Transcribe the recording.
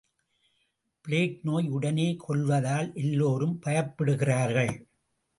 Plague நோய் உடனே கொல்வதால் எல்லாரும் பயப்படுகிறார்கள்.